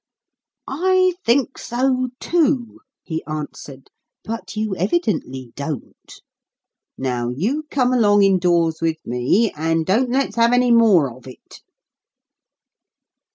"I think so, too," he answered, "but you evidently don't. Now you come along indoors with me, and don't let's have any more of it."